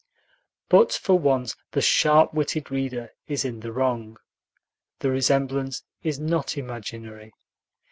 But for once the sharp witted reader is in the wrong. The resemblance is not imaginary.